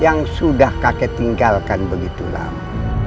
yang sudah kakek tinggalkan begitu lama